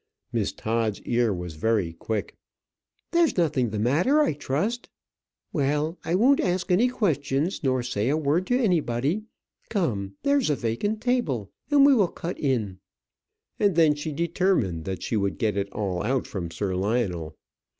Miss Todd's ear was very quick. "There is nothing the matter, I trust. Well, I won't ask any questions, nor say a word to anybody. Come, there is a table vacant, and we will cut in." And then she determined that she would get it all out from Sir Lionel.